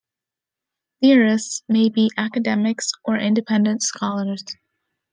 Theorists may be academics or independent scholars.